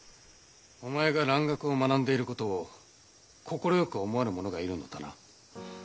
お前が蘭学を学んでいることを快く思わぬ者がいるのだな。